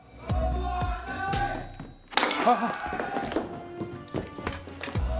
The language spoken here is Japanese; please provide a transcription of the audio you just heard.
あっ。